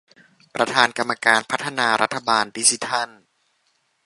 ประธานกรรมการพัฒนารัฐบาลดิจิทัล